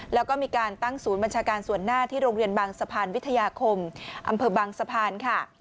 แล้วก็มีการตั้งศูนย์บัญชาการส่วนหน้าที่โรงเรียนบางสะพานวิทยาคมอำเภอบางสะพานค่ะ